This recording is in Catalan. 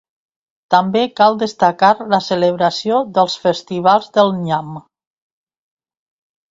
També cal destacar la celebració dels festivals del nyam.